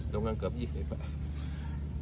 ลงกันเกือบลำ๒๐อาจารย์